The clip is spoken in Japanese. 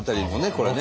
これね。